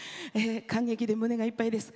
感激で胸がいっぱいです。